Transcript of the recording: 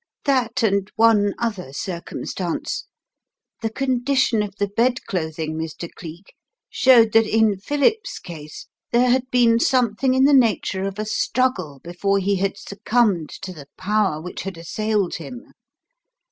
"That and one other circumstance. The condition of the bedclothing, Mr. Cleek, showed that in Philip's case there had been something in the nature of a struggle before he had succumbed to the Power which had assailed him.